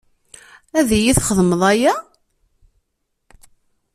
Ad iyi-txedmeḍ aya?